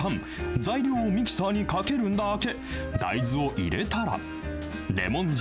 材料をミキサーにかけるだけ。